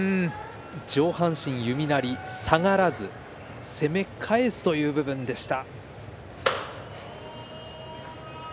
上半身弓なり下がらず攻め返すという部分でした。